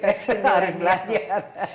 saya selalu belajar